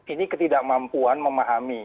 ini ketidakmampuan memahami